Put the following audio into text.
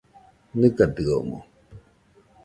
¿Nɨgadɨomoɨ?